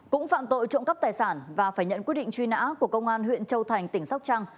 cũng phạm tội trộm cắp tài sản và phải nhận quyết định truy nã của công an huyện châu thành tỉnh sóc trăng